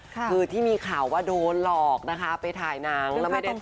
คือที่มีข่าวว่าโดนหลอกนะคะไปถ่ายหนังแล้วไม่ได้ต่อ